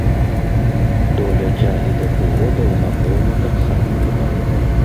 Доля цягі да прыгодаў, напэўна, таксама была.